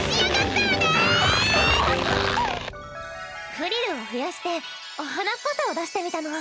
フリルを増やしてお花っぽさを出してみたの。